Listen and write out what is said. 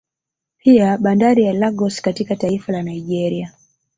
Pia bandari ya Lagos katika taifa la Nigeria